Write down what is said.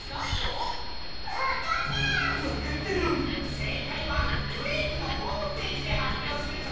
正解は「ブレイクッ！」のホームページで発表するぞ。